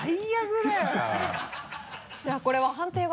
ではこれは判定は？